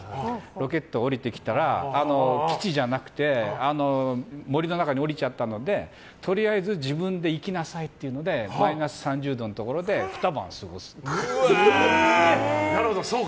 ロケットを降りてきたら基地じゃなくて森の中に降りちゃったのでとりあえず自分で生きなさいというのでマイナス３０度のところでふた晩過ごすという。